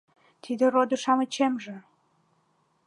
Тиде родо-шамычемже